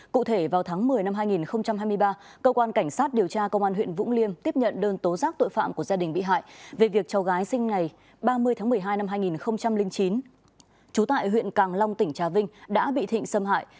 cụ thể vào tháng một mươi năm hai nghìn hai mươi ba cơ quan cảnh sát điều tra công an huyện vũng liêm tiếp nhận đơn tố giác tội phạm của gia đình bị hại về việc cháu gái sinh ngày ba mươi tháng một mươi hai năm hai nghìn chín trú tại huyện càng long tỉnh trà vinh đã bị thịnh xâm hại